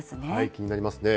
気になりますね。